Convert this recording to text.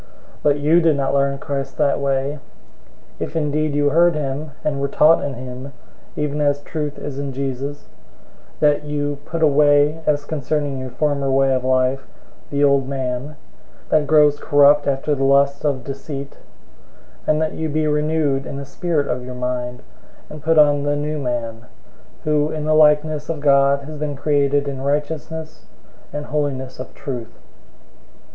004:020 But you did not learn Christ that way; 004:021 if indeed you heard him, and were taught in him, even as truth is in Jesus: 004:022 that you put away, as concerning your former way of life, the old man, that grows corrupt after the lusts of deceit; 004:023 and that you be renewed in the spirit of your mind, 004:024 and put on the new man, who in the likeness of God has been created in righteousness and holiness of truth.